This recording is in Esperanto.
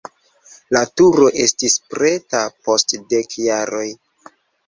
La turo estis preta post dek jaroj.